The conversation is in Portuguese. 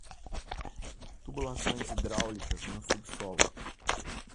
Tubulações hidráulicas no subsolo